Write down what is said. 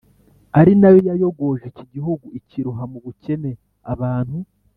ari na yo yayogoje iki gihugu ikiroha mu bukene, abantu